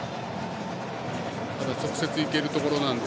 ただ直接行けるところなので。